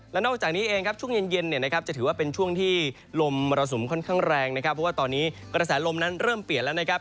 และนอกจากนี้เองครับช่วงเย็นเนี่ยนะครับจะถือว่าเป็นช่วงที่ลมมรสุมค่อนข้างแรงนะครับเพราะว่าตอนนี้กระแสลมนั้นเริ่มเปลี่ยนแล้วนะครับ